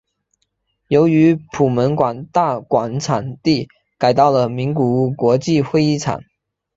由于普门馆大馆场地改到了名古屋国际会议场。